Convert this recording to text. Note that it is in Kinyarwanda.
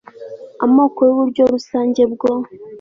amoko y uburyo rusange bwo